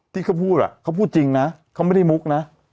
ที่เขาพูดเขาพูดจริงนะเขาไม่ได้มุกนะ